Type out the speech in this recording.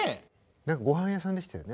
何かごはん屋さんでしたよね。